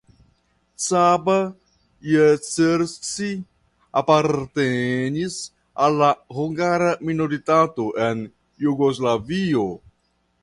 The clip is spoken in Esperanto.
Csaba Jegercsik apartenis al la hungara minoritato en Jugoslavio.